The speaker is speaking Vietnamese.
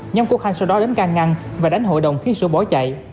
nhóm quốc khanh sau đó đến ca ngăn và đánh hội đồng khi sửu bỏ chạy